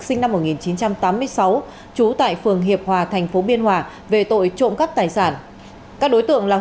sinh năm một nghìn chín trăm tám mươi sáu trú tại phường hiệp hòa tp biên hòa về tội trộn cấp tài sản